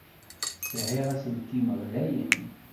Sɛiɣ aselkim ɣlayen.